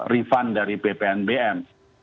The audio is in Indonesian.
refund dari ppnbm